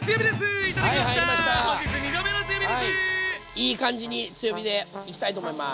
いい感じに強火でいきたいと思います。